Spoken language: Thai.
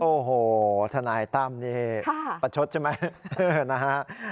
โอ้โหท่านนายต้ำนี่ประชดใช่ไหมนะฮะค่ะ